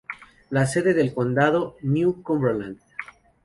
La sede del condado es New Cumberland.